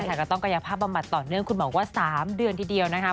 ใช่ค่ะก็ต้องกระยะภาพบำมัดต่อเนื่องคุณหมอว่า๓เดือนทีเดียวนะคะ